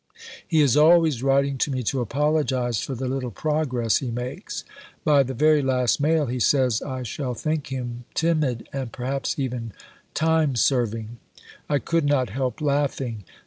He is always writing to me to apologize for the little progress he makes. By the very last mail he says I shall think him 'timid and perhaps even time serving.' I could not help laughing.